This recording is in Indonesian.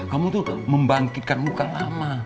kamu tuh membangkitkan muka lama